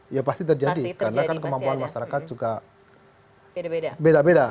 ya pasti terjadi karena kan kemampuan masyarakat juga beda beda